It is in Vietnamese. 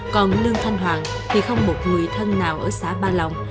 còn lương thanh hoàng thì không một người thân nào ở xã ba lòng